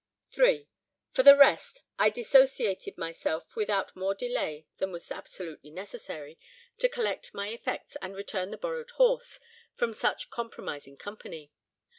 "3. For the rest, I dissociated myself without more delay than was absolutely necessary to collect my effects, and return the borrowed horse, from such compromising company.